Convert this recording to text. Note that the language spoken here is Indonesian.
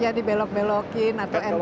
ya di belok belokin atau entrance nya dari